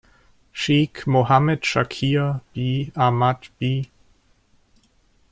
Sheikh Mohammed Shakir b. Ahmad b.